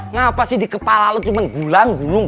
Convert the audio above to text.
ngapasih di kepala lo cuma gulang gulung